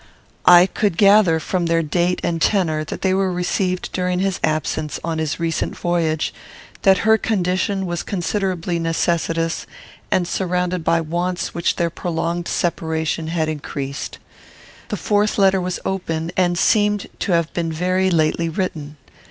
I could gather, from their date and tenor, that they were received during his absence on his recent voyage; that her condition was considerably necessitous, and surrounded by wants which their prolonged separation had increased. The fourth letter was open, and seemed to have been very lately written.